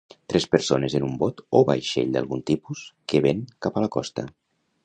Tres persones en un bot o vaixell d'algun tipus que ven cap a la costa.